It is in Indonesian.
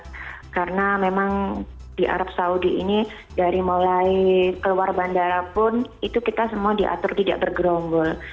insya allah enggak ya mbak karena memang di arab saudi ini dari mulai keluar bandara pun itu kita semua diatur tidak bergeronggol